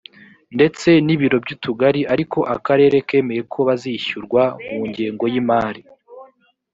ndetse n ibiro by utugari ariko akarere kemeye ko bazishyurwa mu ngengo y imari